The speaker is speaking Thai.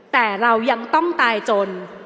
แต่เรายังต้องตายจน